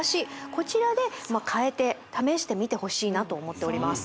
こちらで変えて試してみてほしいなと思っております